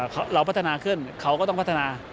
วันนี้เราพัฒนาขึ้นเขาก็ต้องพัฒนา